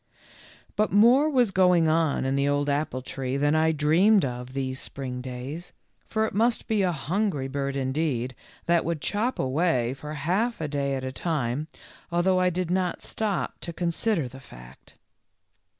But more was going on in the old apple tree than I dreamed of these spring days, for it must be a hungry bird indeed that would chop away for half a day at a time, although I did not stop to consider the fact.